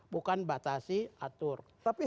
bukan batasi atur